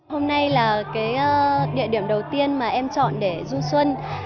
hôm nay là cái địa điểm đầu tiên mà em chọn để du xuân